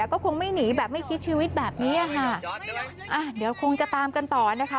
ก็คงไม่หนีแบบไม่คิดชีวิตแบบนี้คงจะตามกันต่อนะคะ